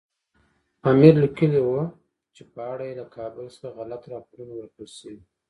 امیر لیکلي وو چې په اړه یې له کابل څخه غلط راپورونه ورکړل شوي.